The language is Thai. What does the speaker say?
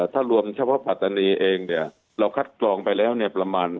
ถ้ารวมเฉพาะผัฒนีเองเราคัดกรองไปแล้วประมาณ